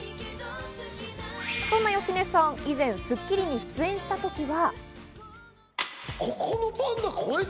そんな芳根さん、以前の『スッキリ』に出演した時には。